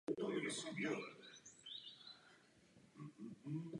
Byla přejmenována na "Virginia" a byly z ní odstraněny všechny nástavby.